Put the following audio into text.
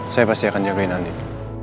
saya pasti akan jagain nanti